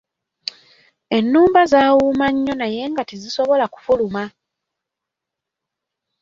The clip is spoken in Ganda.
Ennumba zaawuuma nnyo naye nga tezisobola kufuluma.